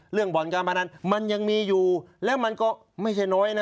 เรื่องบ่อนจำนั้นมันยังมีอยู่แล้วมันก็ไม่ใช่น้อยนะ